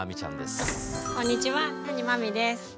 こんにちは谷真海です。